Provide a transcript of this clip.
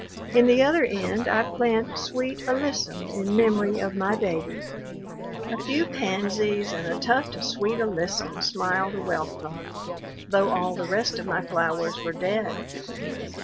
In the other end I plant sweet alyssum in memory of my baby. A few pansies and a tuft of sweet alyssum smiled a welcome, though all the rest of my flowers were dead.